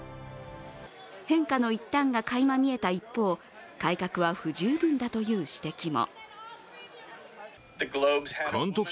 変化の一端がかいま見えた一方改革は不十分だという指摘も。